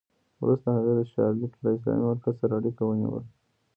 وروسته هغې د شارليټ له اسلامي مرکز سره اړیکه ونیوه